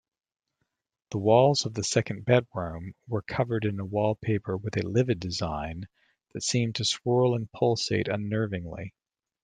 The walls of the second bedroom were covered in a wallpaper with a livid design that seemed to swirl and pulsate unnervingly.